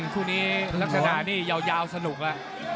คู่นี้ลักษณะนี่ยาวสนุกแล้ว